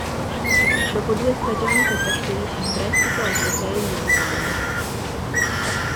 Dopo due stagioni si trasferisce in prestito al Créteil-Lusitanos.